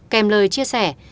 kèm lời chia sẻ